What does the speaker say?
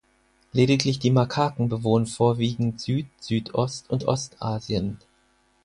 Lediglich die Makaken bewohnen vorwiegend Süd-, Südost- und Ostasien.